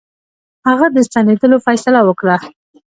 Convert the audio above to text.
هغه د ستنېدلو فیصله وکړه.